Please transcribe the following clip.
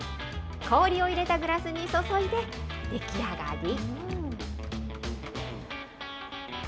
氷を入れたグラスに注いで、出来上がり。